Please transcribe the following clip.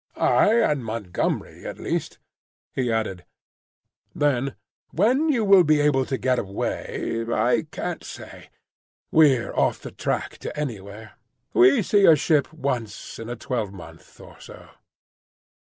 "I and Montgomery, at least," he added. Then, "When you will be able to get away, I can't say. We're off the track to anywhere. We see a ship once in a twelve month or so."